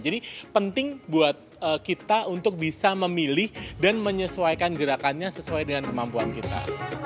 jadi penting buat kita untuk bisa memilih dan menyesuaikan gerakannya sesuai dengan kemampuan kita